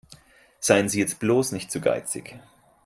Seien Sie jetzt bloß nicht zu geizig.